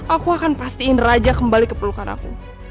aku akan pastiin raja kembali keperlukan aku